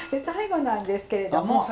最後なんですけれども。